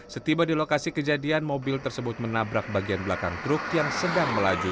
setiba di lokasi kejadian mobil tersebut menabrak bagian belakang truk yang sedang melaju